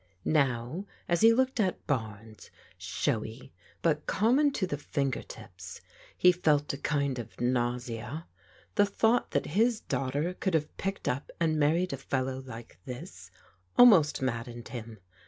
Now as he looked at BameSi showy, but common to die finger tips, he felt a kind of nausea. The thought that his daughter could have picked up and married a fellow like this almost maddened him.